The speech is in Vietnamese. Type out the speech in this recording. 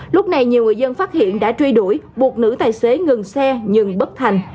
lúc này nhiều người dân phát hiện đã truy đuổi buộc nữ tài xế ngừng xe nhưng bất thành